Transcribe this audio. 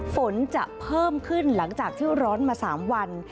ฝนจะเพิ่มขึ้นหลังจากที่ร้อนมา๓วัน